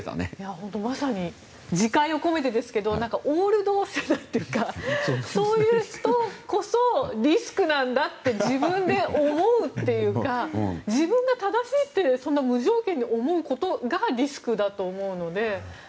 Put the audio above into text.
本当にまさに自戒を込めてですけどオールド世代というかそういう人こそリスクなんだって自分で思うというか自分が正しいって無条件で思うことがリスクだと思うので。